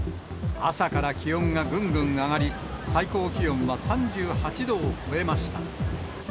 朝から気温がぐんぐん上がり、最高気温は３８度を超えました。